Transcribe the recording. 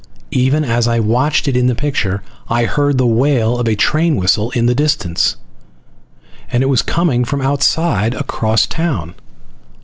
Even as I watched it in the picture, I heard the wail of a train whistle in the distance, and it was coming from outside, across town.